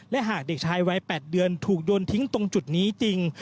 และหากเด็กชายวัย๘เดือนถูกโยนทิ้งตรงจุดนี้จริง